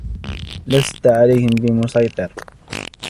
لست عليهم بمصيطر